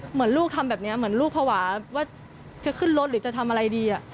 เหมือนลูกทำแบบนี้เหมือนลูกภาวะว่าจะขึ้นรถหรือจะทำอะไรดี